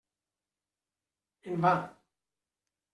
En va.